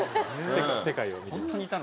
世界を見てます。